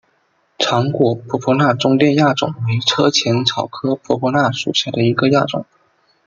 长果婆婆纳中甸亚种为车前草科婆婆纳属下的一个亚种。